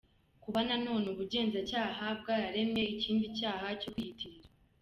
Kuba nanone ubugenzacyaha bwararemye ikindi cyaha cyo kwiyitirira